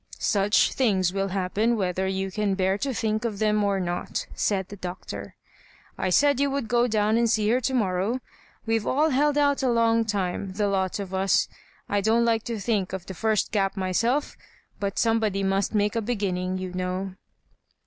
"Such things will happen whether you can bear to think of them or not," said the Doctor. " I said you would go down and see her to mor row. We've all held out a long time — the lot of us. I don't like to think of the first gap my self) but somebody must make a beginning, you know."